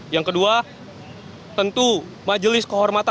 yang kedua tentu majelis kehormatan